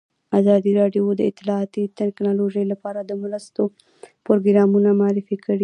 ازادي راډیو د اطلاعاتی تکنالوژي لپاره د مرستو پروګرامونه معرفي کړي.